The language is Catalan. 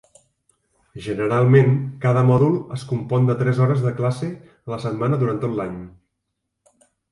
Generalment, cada mòdul es compon de tres hores de classe a la setmana durant tot l'any.